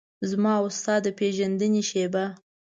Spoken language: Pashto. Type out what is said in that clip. زما او ستا د پیژندنې شیبه